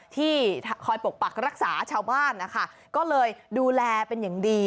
ที่คอยปกปักรักษาชาวบ้านนะคะก็เลยดูแลเป็นอย่างดี